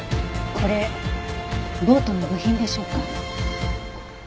これボートの部品でしょうか？